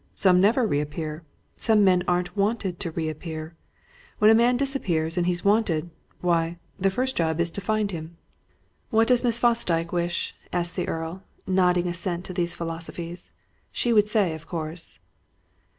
Some never reappear. Some men aren't wanted to reappear. When a man disappears and he's wanted why, the job is to find him." "What does Miss Fosdyke wish?" asked the Earl, nodding assent to these philosophies. "She would say, of course."